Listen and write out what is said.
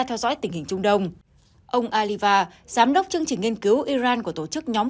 theo dõi tình hình trung đông ông aliva giám đốc chương trình nghiên cứu iran của tổ chức nhóm